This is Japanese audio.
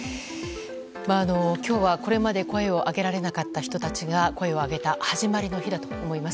今日はこれまで声を上げられなかった人たちが声を上げた始まりの日だと思います。